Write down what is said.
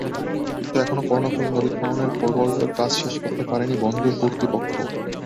কিন্তু এখনো কর্ণফুলী নদী খনন প্রকল্পের কাজ শেষ করতে পারেনি বন্দর কর্তৃপক্ষ।